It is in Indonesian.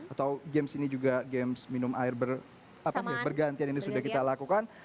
atau games ini juga games minum air bergantian ini sudah kita lakukan